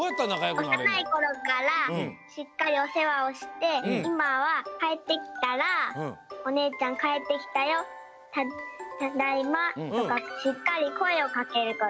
おさないころからしっかりおせわをしていまはかえってきたら「おねえちゃんかえってきたよただいま」とかしっかりこえをかけること。